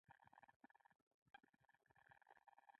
دوی به زېږوونکې مېږې ساتلې، چې اوږد مهاله رمه ولري.